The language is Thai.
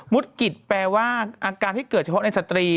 กิจแปลว่าอาการที่เกิดเฉพาะในสตรี